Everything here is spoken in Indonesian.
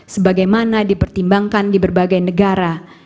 sebagaimana dipertimbangkan di berbagai negara